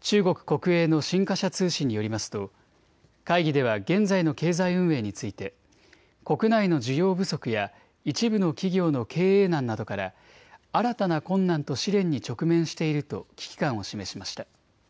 中国国営の新華社通信によりますと会議では現在の経済運営について国内の需要不足や一部の企業の経営難などから新たな困難と試練に直面していると危機感を示しました。